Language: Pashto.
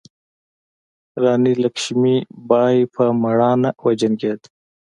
راني لکشمي بای په میړانه وجنګیده.